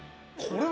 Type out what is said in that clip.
これ！」